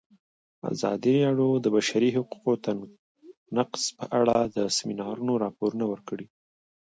ازادي راډیو د د بشري حقونو نقض په اړه د سیمینارونو راپورونه ورکړي.